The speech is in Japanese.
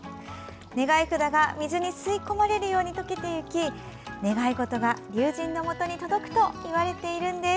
願い札が水に吸い込まれるように溶けていき願い事が龍神のもとに届くといわれているんです。